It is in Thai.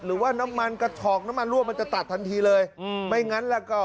หรือว่าน้ำมันกระฉอกน้ำมันรั่วมันจะตัดทันทีเลยอืมไม่งั้นแล้วก็